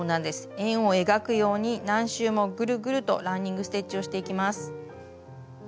円を描くように何周もぐるぐるとランニング・ステッチをしていきます。